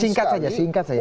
singkat saja singkat saja